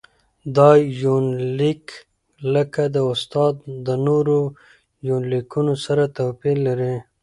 دا يونليک لکه د استاد د نورو يونليکونو سره تواپېر لري.